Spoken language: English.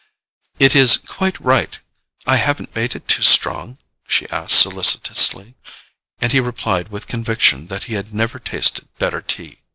"Is it quite right—I haven't made it too strong?" she asked solicitously; and he replied with conviction that he had never tasted better tea.